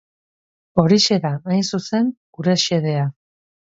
Horixe da, hain zuzen, gure xedea.